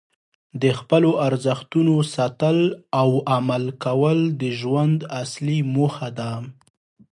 د خپلو ارزښتونو ساتل او عمل کول د ژوند اصلي موخه ده.